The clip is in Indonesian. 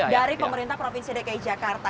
dari pemerintah provinsi dki jakarta